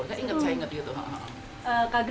kak grace memaknai menurut kak grace itu apa dan bahagia